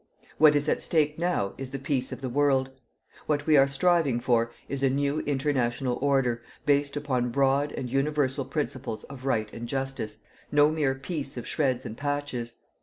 What is at stake now is the peace of the world. What we are striving for is a new international order based upon broad and universal principles of right and justice no mere peace of shreds and patches.